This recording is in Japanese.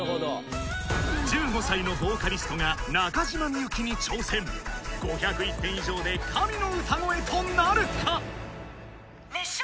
１５歳のボーカリストが中島みゆきに挑戦５０１点以上で神の歌声となるか⁉・熱唱！